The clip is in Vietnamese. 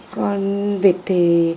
con vịt thì